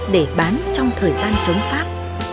để bán trong thời gian chống pháp